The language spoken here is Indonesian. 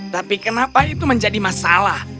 tapi kenapa itu menjadi masalah